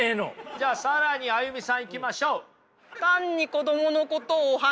じゃあ更にＡＹＵＭＩさんいきましょう！